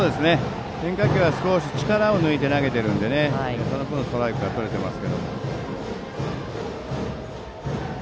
変化球は少し力を抜いて投げているのでその分、ストライクがとれていますけれども。